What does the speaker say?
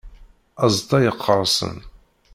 Azeṭṭa yeqqerṣen.